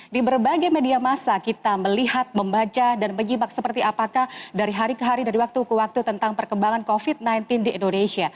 di berbagai media masa kita melihat membaca dan menyimak seperti apakah dari hari ke hari dari waktu ke waktu tentang perkembangan covid sembilan belas di indonesia